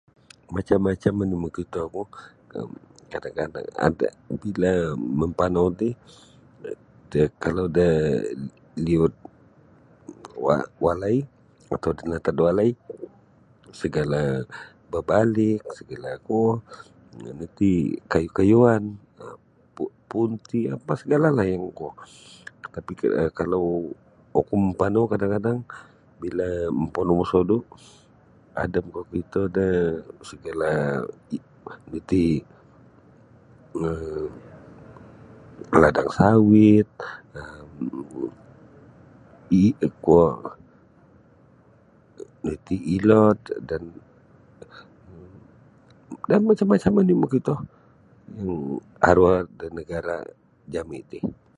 Macam-macam oni mokitoku um kadang-kadang ada bila mempanau ti um kalau da um niod wa walai atau ngantad da walai segala babalik segala kuo di kayu-kayuan um puun-puunti apa segala la yang kuo tapi kalau oku mempanau kadang-kadang bila mempanau mosodu ada oku kokito da segala iti um ladang sawit um ikuo iti ilod dan um dan macam macam oni mokito yang aru da negara jami ti.